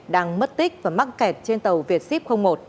đang mất tích và mắc kẹt trên tàu việt ship một